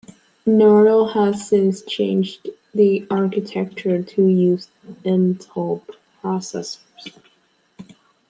Nortel has since changed the architecture to use Intel processors.